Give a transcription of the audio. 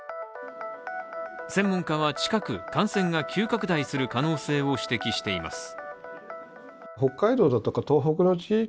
専門家は近く感染が急拡大する可能性を指摘しています。